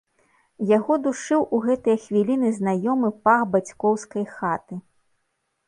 Яго душыў у гэтыя хвіліны знаёмы пах бацькоўскай хаты.